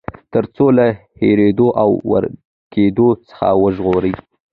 تر څو له هېريدو او ورکېدو څخه وژغوري.